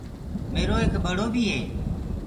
ميري ايڪ ٻڙو بيٚ هي۔